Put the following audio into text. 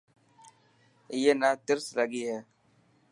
اي نا ترس لگي هي.